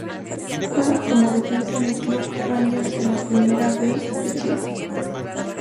Juega como defensa en el club Rangers de la Primera B de Chile.